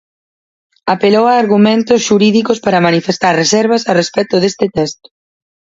Apelou a argumentos xurídicos para manifestar reservas a respecto deste texto.